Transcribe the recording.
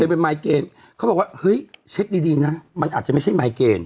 เคยไปมายเกรนเขาบอกว่าเฮ้ยเซ็ทดีน่ะมันอาจจะไม่ใช่มายเกรน